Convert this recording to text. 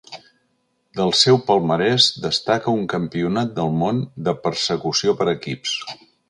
Del seu palmarès destaca un Campionat del món de Persecució per equips.